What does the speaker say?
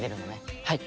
はい。